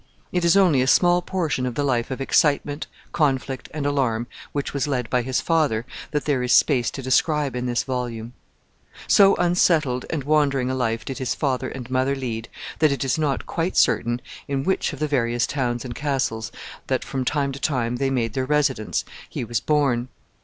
It is only a small portion of the life of excitement, conflict, and alarm which was led by his father that there is space to describe in this volume. So unsettled and wandering a life did his father and mother lead, that it is not quite certain in which of the various towns and castles that from time to time they made their residence, he was born.